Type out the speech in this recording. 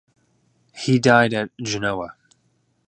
He died at Genoa.